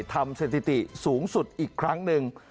ทำเซ็นติติสูงสุดอีกครั้งนึง